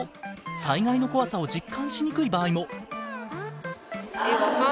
災害の怖さを実感しにくい場合も。